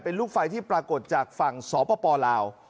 เป็นลูกไฟที่ปรากฏจากฝั่งสปลาว